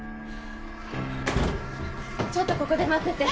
ちょっとここで待ってて。